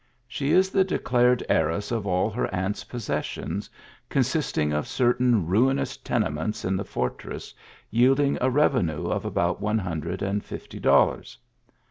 She is the declared heiress of all her aunt s possessions, consisting of certain ruinous tenements in the for tress, yielding a revenue of about one hundred and fifty dollars.